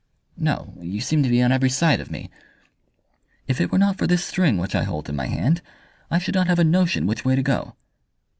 "No; you seem to be on every side of me." "If it were not for this string which I hold in my hand I should not have a notion which way to go."